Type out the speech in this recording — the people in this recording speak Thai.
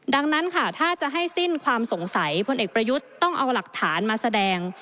ดังนั้นค่ะถ้าจะให้สิ้นความสงสัยพลเอกประยุทธ์ต้องเอาหลักฐานมาแสดง